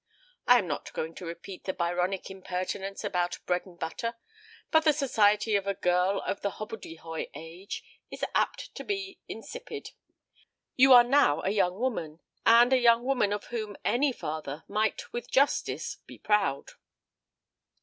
I am not going to repeat the Byronic impertinence about bread and butter; but the society of a girl of the hobbledehoy age is apt to be insipid. You are now a young woman, and a young woman of whom any father might with justice be proud."